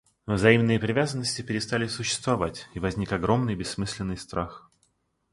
Взаимные привязанности перестали существовать, и возник огромный бессмысленный страх.